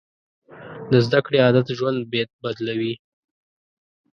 د زده کړې عادت ژوند بدلوي.